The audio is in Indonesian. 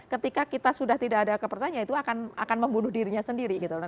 ketika kita sudah tidak ada kepercayaannya itu akan membunuh dirinya sendiri gitu loh